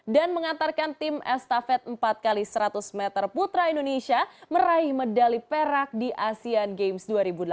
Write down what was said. dan mengantarkan tim estafet empat x seratus meter putra indonesia meraih medali perak di asean games dua ribu delapan belas